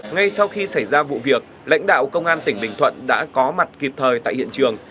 ngay sau khi xảy ra vụ việc lãnh đạo công an tỉnh bình thuận đã có mặt kịp thời tại hiện trường